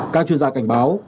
các chuyên gia cảnh báo